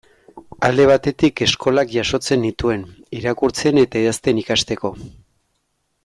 Alde batetik, eskolak jasotzen nituen, irakurtzen eta idazten ikasteko.